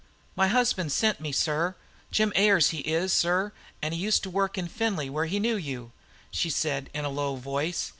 "My husband sent me, sir. Jim Ayers he is, sir, an' used to work in Findlay, where he knew you," she said in a low voice.